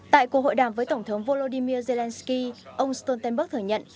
tại cuộc hội đàm với tổng thống volodymyr zelensky ông stoltenberg thừa nhận